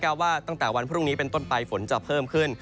ว่าตั้งแต่วันพรุ่งนี้เป็นต้นไปฝนจะเพิ่มขึ้น